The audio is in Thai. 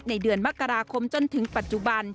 เดือนมกราคมจนถึงปัจจุบัน